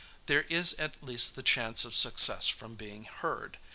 There is at least the chance of success from being heard.